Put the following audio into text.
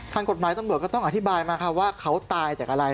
คุณกฎหมายก็ต้องอธิบายมาว่าเขาตายจากอะไร